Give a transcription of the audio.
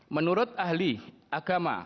menurut ahli agama